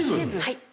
はい。